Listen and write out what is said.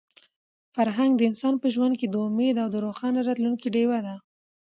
فرهنګ د انسان په ژوند کې د امید او د روښانه راتلونکي ډیوه ده.